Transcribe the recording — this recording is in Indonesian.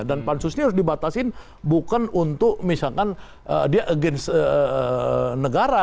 dan pansus ini harus dibatasin bukan untuk misalkan dia against negara